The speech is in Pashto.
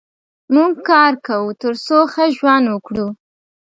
موږ کار کوو تر څو ښه ژوند وکړو.